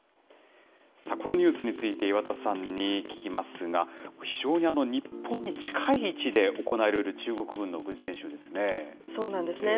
このニュースについて、岩田さんに聞きますが、非常に日本に近い位置で行われる中国軍の軍事演習ですね。